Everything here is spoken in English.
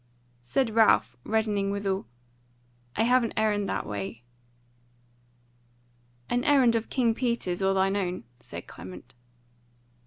Said Ralph, reddening withal: "I have an errand that way." "An errand of King Peter's or thine own?" said Clement.